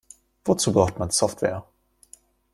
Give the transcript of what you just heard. Wozu braucht man Software?